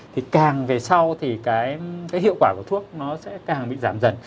thì càng về sau thì cái hiệu quả của thuốc nó sẽ càng bị giảm dần